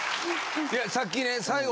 いやさっきね最後